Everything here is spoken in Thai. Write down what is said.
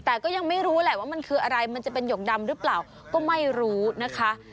แต่ก็ยังไม่รู้แหละว่ามันคืออะไรมันจะเป็นหยกดำหรือเปล่าก็ไม่รู้นะคะ